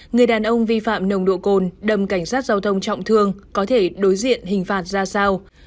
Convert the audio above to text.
người đàn ông vi phạm nồng độ cồn đầm cảnh sát giao thông trọng thương có thể đối diện hình phạt ra sao